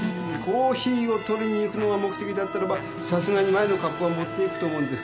コーヒーを取りに行くのが目的だったらばさすがに前のカップは持って行くと思うんですけれども。